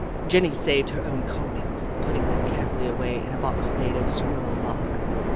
Jenny saved her own combings, putting them carefully away in a box made of Squir rel bark.